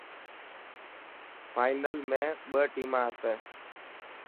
فانل ۾ ٻه ٽيما آسي.